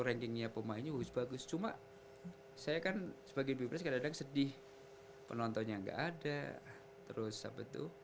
rankingnya pemainnya bagus cuman saya kan sebagai binpress kadang kadang sedih penontonnya gak ada terus apa itu